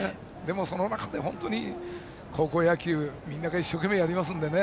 その中で高校野球みんなが一生懸命やりますからね。